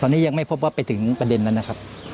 ตอนนี้ยังไม่พบว่าไปถึงประเด็นนั้นนะครับ